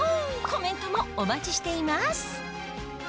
コメントもお待ちしています